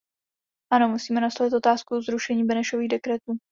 Ano, musíme nastolit otázku zrušení Benešových dekretů.